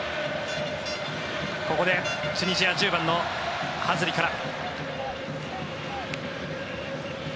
ここでチュニジア１０番のハズリから。